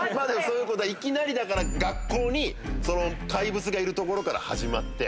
いきなりだから学校に怪物がいるところから始まって。